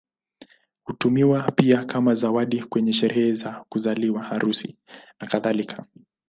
Hutumiwa pia kama zawadi kwenye sherehe za kuzaliwa, harusi, nakadhalika.